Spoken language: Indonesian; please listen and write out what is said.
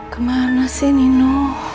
kemana sih nino